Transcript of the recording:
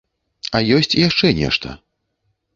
А ёсць яшчэ нешта.